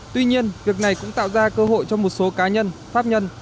tuy nhiên việc này cũng tạo ra cơ hội cho một số cá nhân pháp nhân